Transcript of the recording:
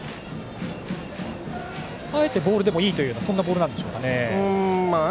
あえてボールでもいいというそんなボールなんでしょうかね。